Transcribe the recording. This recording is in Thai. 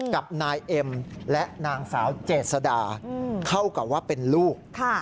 กับนายเอ็มและนางสาวเจษดาเท่ากับว่าเป็นลูก